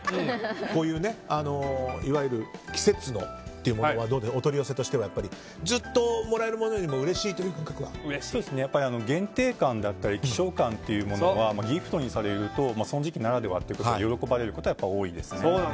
こういういわゆる季節のものというのはお取り寄せとしてはずっともらえるものよりもやっぱり限定感だったり希少感というものはギフトにされるとその時期ならではで喜ばれる方は多いですね。